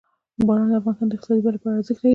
باران د افغانستان د اقتصادي ودې لپاره ارزښت لري.